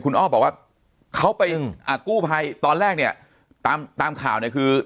คุณอ้อบอกว่าเขาไปอ่ากู้ภัยตอนแรกเนี่ยตามตามข่าวเนี่ยคือ